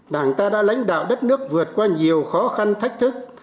đảng ta đã lãnh đạo đất nước vượt qua nhiều khó khăn thách thức